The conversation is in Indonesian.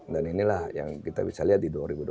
dan inilah yang kita bisa lihat di dua ribu dua puluh empat